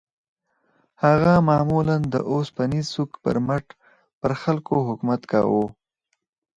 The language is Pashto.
هغه معمولاً د اوسپنيز سوک پر مټ پر خلکو حکومت کاوه.